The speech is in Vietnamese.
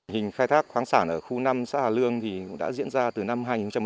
hình khai thác khoáng sản ở khu năm xã hà lương đã diễn ra từ năm hai nghìn một mươi